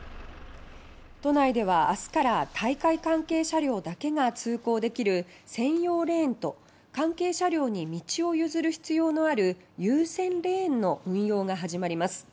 都内ではあすから大会関係車両だけが通行できる専用レーンと関係車両に道を譲る必要のある優先レーンの運用が始まります。